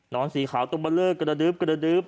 นอนสีขาวตรงบะเลิกกระดึ๊บกระดึ๊บ